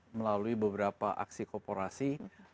melalui beberapa aksi kooperasi